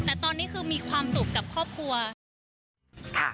แต่ตอนนี้คือมีความสุขกับครอบครัวค่ะ